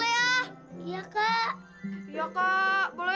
boleh ya kak boleh ya